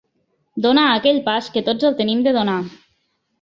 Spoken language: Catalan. Donar aquell pas que tots el tenim de donar.